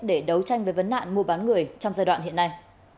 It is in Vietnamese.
để đấu tranh với vấn nạn mua bán người trong giai đoạn hiện nay